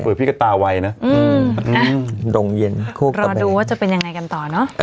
เปิดพี่กับตาไวน่ะอืมอืมดงเย็นโคกตะแบงรอดูว่าจะเป็นยังไงกันต่อเนอะ